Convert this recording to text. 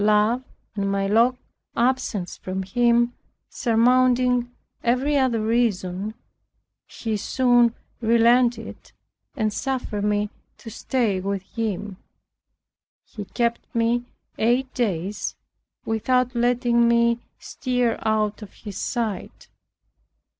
Love and my long absence from him surmounting every other reason, he soon relented and suffered me to stay with him. He kept me eight days without letting me stir out of his sight.